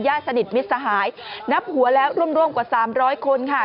สนิทมิตรสหายนับหัวแล้วร่วมกว่า๓๐๐คนค่ะ